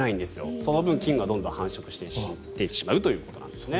その分、菌がどんどん繁殖してしまうということです。